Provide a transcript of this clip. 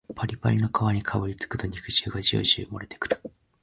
パリパリの皮にかぶりつくと肉汁がジュワジュワもれてくる